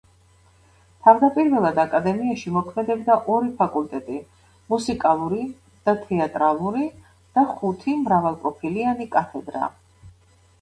თავდაპირველად აკადემიაში მოქმედებდა ორი ფაკულტეტი: მუსიკალური და თეატრალური და ხუთი მრავალპროფილიანი კათედრა.